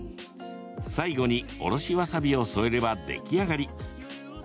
最後に、おろしわさびを添えれば出来上がり。